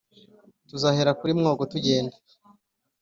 tuzahera kuri mwogo tujyenda